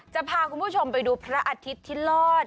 จะพาคุณผู้ชมไปดูพระอาทิตย์ที่รอด